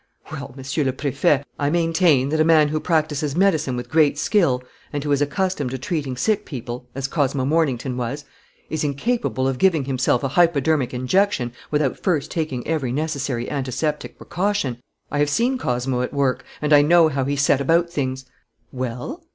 "Well, Monsieur le Préfet, I maintain that a man who practises medicine with great skill and who is accustomed to treating sick people, as Cosmo Mornington was, is incapable of giving himself a hypodermic injection without first taking every necessary antiseptic precaution. I have seen Cosmo at work, and I know how he set about things." "Well?"